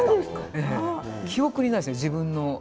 記憶にないです、自分の。